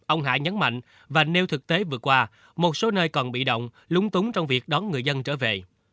ông hải nhấn mạnh và nêu thực tế vừa qua một số nơi còn bị động lúng túng trong việc đón người dân trở về